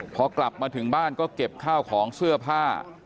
พอกลับมาถึงบ้านก็เก็บข้าวของเสื้อผ้า